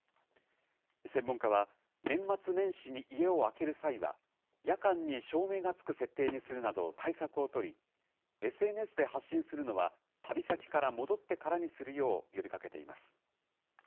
専門家は、年末年始に家を空ける際は、夜間に照明がつく設定にするなど対策を取り、ＳＮＳで発信するのは、旅先から戻ってからにするよう呼びかけています。